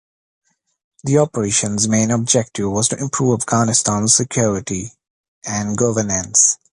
The operation's main objective was to improve Afghanistan's security and governance.